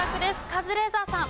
カズレーザーさん。